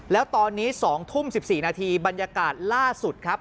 แล้วตอนนี้๒ทุ่ม๑๔นาทีบรรยากาศล่าสุดครับ